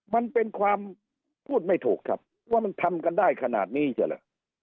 มันเป็นความพูดไม่ถูกครับว่ามันทำกันได้ขนาดนี้ใช่เหรอ